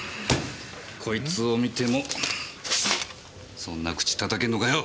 こいつを見てもそんな口叩けんのかよ！